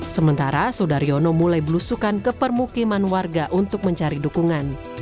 sementara sudaryono mulai belusukan ke permukiman warga untuk mencari dukungan